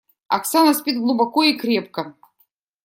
Оксана спит глубоко и крепко.